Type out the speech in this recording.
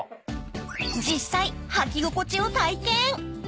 ［実際はき心地を体験］